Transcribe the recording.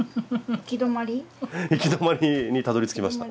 行き止まりにたどりつきました。